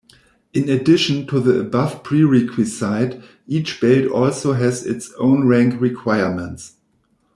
In addition to the above prerequisite, each belt also has its own rank requirements.